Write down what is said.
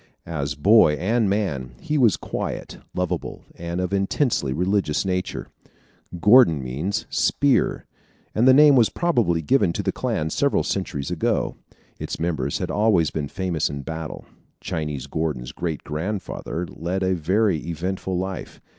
As boy and man, he was quiet, lovable, and of intensely religious nature. Gordon means a "spear," and the name was probably given to the clan several centuries ago. Its members had always been famous in battle. Chinese Gordon's great grandfather led a very eventful life.